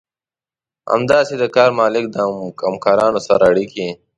همداسې د کار مالک او همکارانو سره اړيکې.